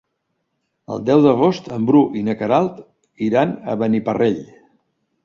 El deu d'agost en Bru i na Queralt iran a Beniparrell.